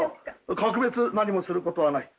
格別何もすることはない。